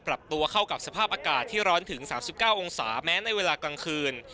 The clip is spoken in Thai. ปรับตัวเข้ากับสภาพอากาศที่ร้อนถึง๓๙องศาแม้ในเวลากลางคืน